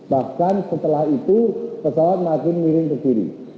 bahkan setelah itu pesawat makin miring ke kiri